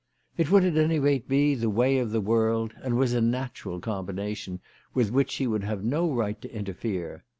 It would at any rate be the way of the world, and was a natural combination with which she would have no right to interfere.